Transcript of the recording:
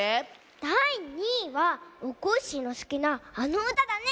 だい２いはおこっしぃのすきなあのうただね！